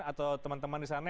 atau teman teman di sana